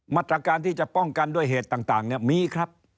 มาตรการที่จะป้องกันด้วยเหตุต่างเนี่ยมีครับ